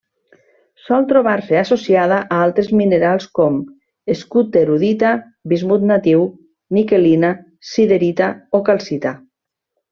Sol trobar-se associada a altres minerals com: skutterudita, bismut natiu, niquelina, siderita o calcita.